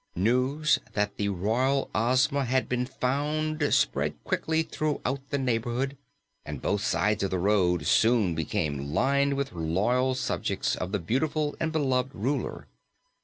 News that the Royal Ozma had been found spread quickly throughout the neighborhood, and both sides of the road soon became lined with loyal subjects of the beautiful and beloved Ruler.